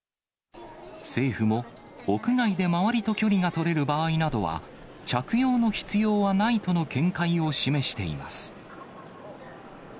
政府も、屋外で周りと距離が取れる場合などは、着用の必要はないとの見解を示しています。